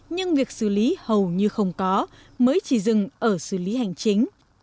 nhưng việc xử lý hầu như không có mới chỉ dừng ở xử lý hành chính